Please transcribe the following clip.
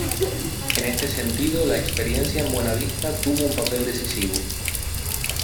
En este sentido la experiencia en Buena Vista tuvo un papel decisivo.